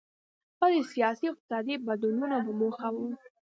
دا د سیاسي او اقتصادي بدلونونو په موخه و.